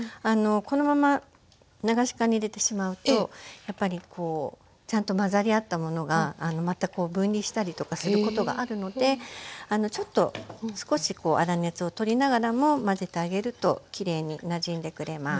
このまま流し函に入れてしまうとやっぱりちゃんと混ざり合ったものがまた分離したりとかすることがあるのでちょっと少し粗熱を取りながらも混ぜてあげるときれいになじんでくれます。